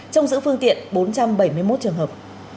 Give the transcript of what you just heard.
trong giữ phương tiện bốn trăm bảy mươi một trường hợp